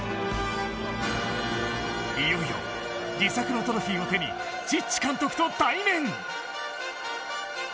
いよいよ自作のトロフィーを手にチッチ監督と対面。